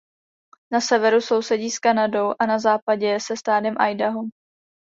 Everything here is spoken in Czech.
Na severu sousedí s Kanadou a na západě se státem Idaho.